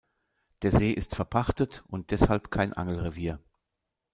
Der See ist verpachtet und deshalb kein Angelrevier.